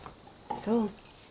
そう。